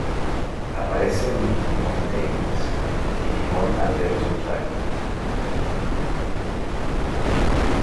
Aparece en Digimon Tamers, Digimon Adventure tri.